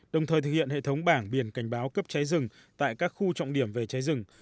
đồng thời thực hiện hệ thống bảng biển cảnh báo cấp cháy rừng tại các khu trọng điểm về cháy rừng